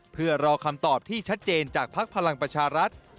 เพื่อรอคำตอบที่ชัดเจนจากภักดิ์พลังประชารัฐ